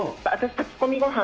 炊き込みごはん